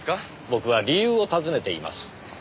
僕は理由を尋ねています。